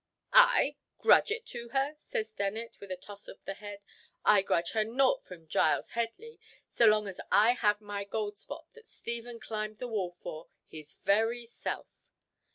"I! Grudge it to her!" said Dennet, with a toss of the head. "I grudge her nought from Giles Headley, so long as I have my Goldspot that Stephen climbed the wall for, his very self."